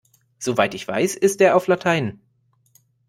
Soweit ich weiß, ist er auf Latein.